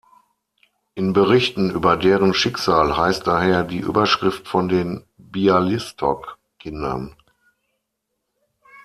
In Berichten über deren Schicksal heißt daher die Überschrift von den "Bialystok-Kindern".